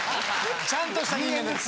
ちゃんとした人間です。